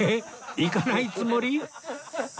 行かないつもり？